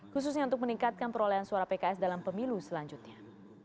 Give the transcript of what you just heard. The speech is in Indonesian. khususnya untuk meningkatkan perolehan suara pks dalam pemilu selanjutnya